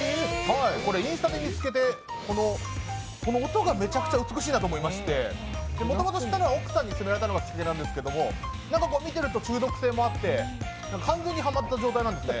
これ、インスタで見つけて、この音がめちゃくちゃ美しいなと思いまして、もともと、知ったのが奥さんに勧められたのがきっかけなんですけど見ていると中毒性もあって完全にハマった状態なんですね。